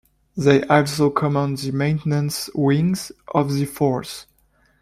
They also command the maintenance wings of the force.